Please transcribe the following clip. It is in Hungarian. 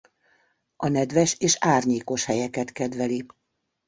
A nedves és árnyékos helyeket kedveli.